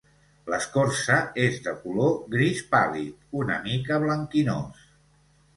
L'escorça és de color gris pàl·lid, una mica blanquinós.